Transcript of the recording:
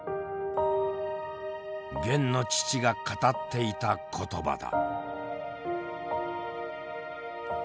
ゲンの父が語っていた言葉だ。